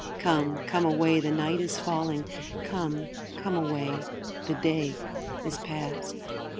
Come, come away, the night is falling; 'Come, come away, the day is past.'